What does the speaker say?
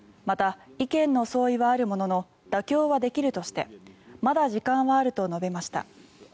また、意見の相違はあるものの妥協はできるとしてまだ時間はあると述べました。